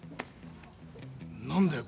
何だよ？